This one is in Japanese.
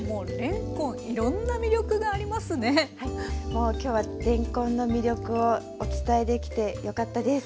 もう今日はれんこんの魅力をお伝えできてよかったです。